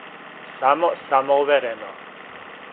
Само самуверено.